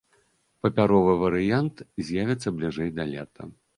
Папяровы варыянт з'явіцца бліжэй да лета.